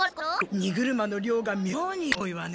荷車の量がみょうに多いわね。